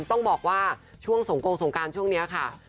ต้องบอกว่าช่วงสงกงสงการช่วงนี้ค่ะ